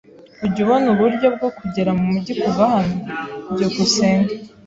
Ujya ubona uburyo bwo kugera mumujyi kuva hano? byukusenge